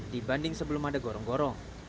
dibanding sebelum ada gorong gorong